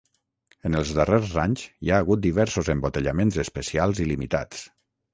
En els darrers anys hi ha hagut diversos embotellaments especials i limitats.